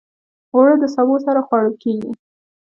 اوړه د سبو سره خوړل کېږي